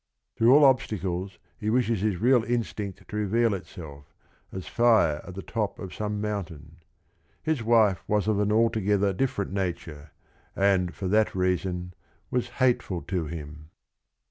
Through all obstacles he wishes his real instinct t o reve al itself, as l ire at the t»p »* *rimr ' iin His wife was of an altogether different nature, and for that reason, was hateful to him.